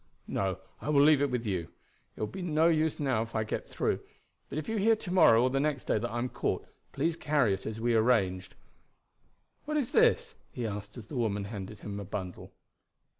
"No, I will leave it with you. It will be no use now if I get through, but if you hear to morrow or next day that I am caught, please carry it as we arranged. What is this?" he asked as the woman handed him a bundle.